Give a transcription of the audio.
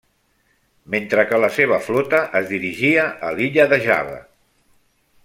Mentre que la seva flota es dirigia a l'illa de Java.